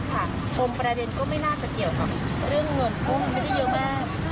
ปมประเด็นก็ไม่น่าจะเกี่ยวกับเรื่องเงินกู้ไม่ได้เยอะมาก